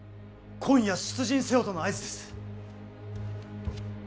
今夜出陣せよとの合図です。